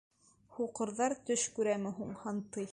Һуҡырҙар төш күрәме һуң, һантый?